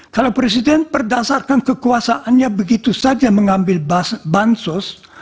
kalau presiden berdasarkan kekuasaannya begitu saja mengambil bansos